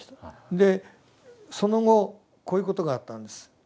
でその後こういうことがあったんです。